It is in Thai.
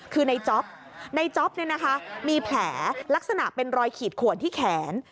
คือในจ๊อปในจ๊อปเนี่ยนะคะมีแผลลักษณะเป็นรอยขีดขวนที่แขน